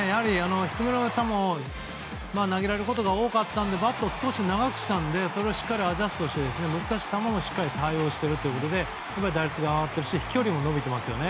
低めの球を投げられることが多かったのでバットを少し長くしたのでしっかりアジャストして難しい球も対応していて打率が上がっているし飛距離も伸びていますよね。